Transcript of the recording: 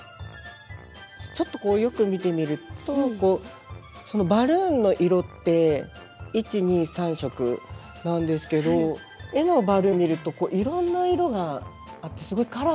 ちょっとこうよく見てみるとバルーンの色って１２３色なんですけど絵のバルーン見るといろんな色があってすごいカラフルですよね。